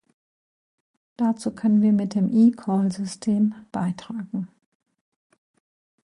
Dazu können wir mit dem eCall-System beitragen.